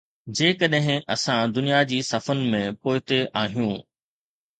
جيڪڏهن اسان دنيا جي صفن ۾ پوئتي آهيون.